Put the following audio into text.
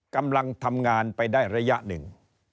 กำลังทำงานไปได้ระยะหนึ่ง